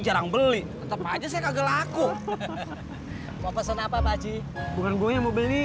jarang beli tetap aja saya kagak laku mau pesan apa baci bukan gue mau beli